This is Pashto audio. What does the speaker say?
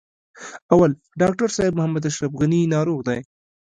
اول: ډاکټر صاحب محمد اشرف غني ناروغ دی.